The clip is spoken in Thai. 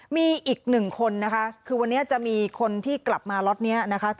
มีอีกหนึ่งคนนะคะคือวันนี้จะมีคนที่กลับมาล็อตนี้นะคะ